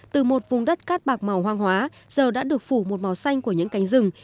từ một vùng đất cát bạc màu hoang hóa giờ đã được phủ một màu xanh của những cánh rừng